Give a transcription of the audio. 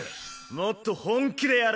もっと本気でやれ。